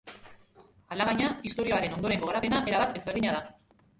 Alabaina, istorioaren ondorengo garapena erabat ezberdina da.